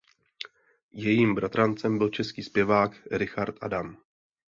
Jejím bratrancem byl český zpěvák Richard Adam.